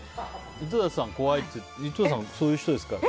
井戸田さん、怖いって井戸田さんはそういう人だから。